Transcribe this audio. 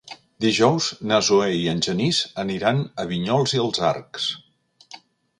Dijous na Zoè i en Genís aniran a Vinyols i els Arcs.